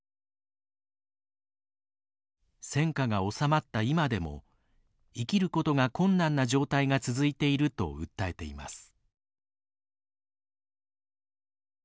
戦火がおさまった今でも生きることが困難な状態が続いていると訴えています。